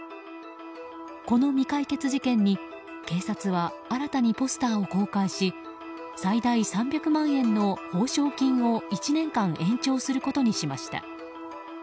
この未解決事件に警察は新たにポスターを公開し最大３００万円の報奨金を１年間延長することにしました。